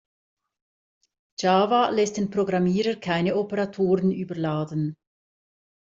Java lässt den Programmierer keine Operatoren überladen.